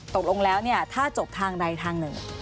ตกลงแล้วเนี่ยถ้าจบทางใดทางหนึ่ง